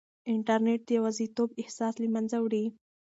انټرنیټ د یوازیتوب احساس له منځه وړي.